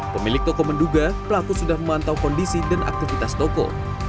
pemilik toko menduga pelaku sudah memantau kondisi dan aktivitas toko